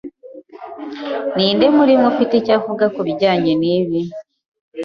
Ninde muri mwe ufite icyo avuga kubijyanye nibi?